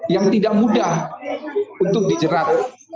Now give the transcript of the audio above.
yang tidak mudah untuk dijerat